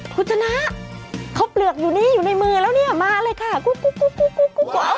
คุณชนะเขาเปลือกอยู่นี่อยู่ในมือแล้วเนี่ยมาเลยค่ะกุ๊ก